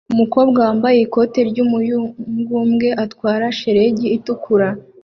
Umukobwa wambaye ikoti ry'umuyugubwe atwara shelegi itukura